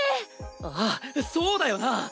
ああそうだよな！